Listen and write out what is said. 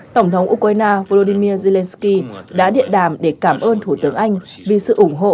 tổng thống ukraine volodymyr zelensky đã điện đàm để cảm ơn thủ tướng anh vì sự ủng hộ